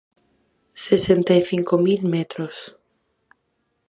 Sesenta e cinco mil metros.